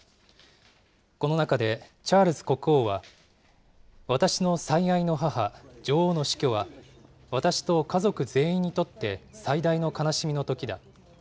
この中で、チャールズ国王は、私の最愛の母、女王の死去は、私と家族全員にとって最大の悲しみのときだ。